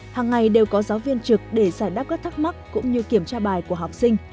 hàng ngày đều có giáo viên trực để giải đáp các thắc mắc cũng như kiểm tra bài của học sinh